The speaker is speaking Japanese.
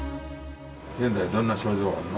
現在、どんな症状あるの？